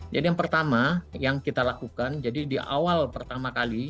jadi yang pertama yang kita lakukan jadi di awal pertama kali